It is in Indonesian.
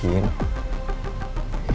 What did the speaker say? yang aku butuhin